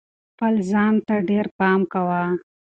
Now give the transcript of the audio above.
خپل ځان ته ډېر پام کوه.